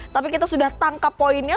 tapi kita sudah tangkap poinnya